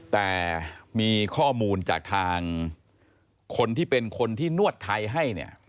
แต่มีข้อมูลจากทางคนที่เป็นคนที่นวดไทยให้เนี่ย